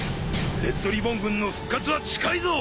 「レッドリボン軍の復活は近いぞ！」